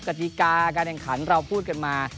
กติกาการแข่งขันเราพูดกันมา